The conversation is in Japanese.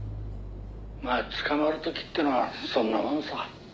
「まあ捕まる時ってのはそんなもんさ」